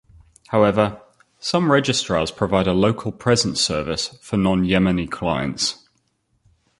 However, some registrars provide a local presence service for non-Yemeni clients.